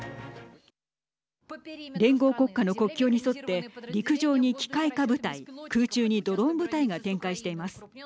連合国家の国境に沿って陸上に機械化部隊、空中にドローン部隊が展開しています。